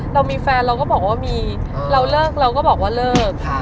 เรามีแฟนเราก็บอกว่ามีเราเลิกเราก็บอกว่าเลิก